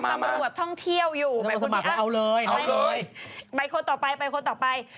อยู่แบบท่องเที่ยวอยู่ไปคนนี้อ้าวไปคนต่อไปคนต่อไป